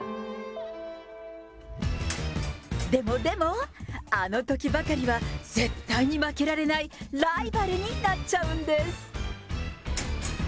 でもでも、あのときばかりは、絶対に負けられないライバルになっちゃうんです。